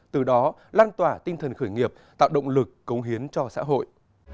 từ đó lan tỏa tinh thần khởi nghiệp tạo động lực cống hiến cho xã hội